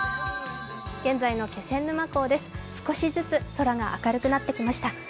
現在の気仙沼港です少しずつ空が明るくなってきました。